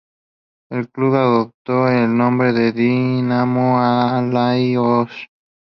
El club adoptó el nombre de "Dinamo-Alay Osh".